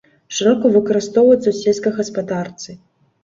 Шырока выкарыстоўваюцца ў сельскай гаспадарцы.